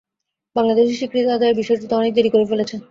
বাংলাদেশ স্বীকৃতি আদায়ের বিষয়টিতে অনেক দেরি করে ফেলেছে।